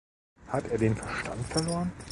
Hat er den Verstand verloren?